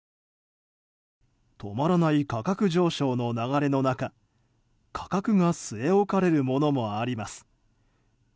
止まらない価格上昇の流れの中価格が据え置かれるものもあります。